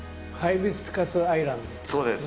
そうです！